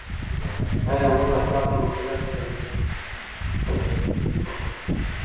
ایا موږ اخلاقاً مکلف یو که نه؟